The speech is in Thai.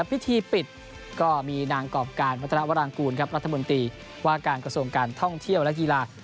พิธีปิดก็มีนางกรอบการวัฒนาวรางกูลรัฐมนตรีว่าการกระทรวงการท่องเที่ยวและกีฬา